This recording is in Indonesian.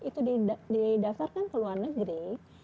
itu didaftarkan ke luar negeri